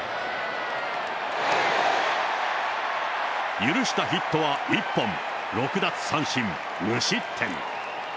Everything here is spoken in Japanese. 許したヒットは１本、６奪三振、無失点。